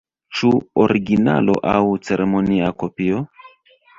Ĉu originalo aŭ ceremonia kopio?